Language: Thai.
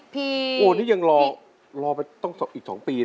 พี่ที่ยังรอรอไปต้องอีกสองปี